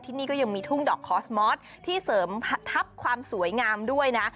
ที่นี่ก็ยังมีทุ่งดอกคอสมอสที่เสริมทัพความสวยงามด้วยนะ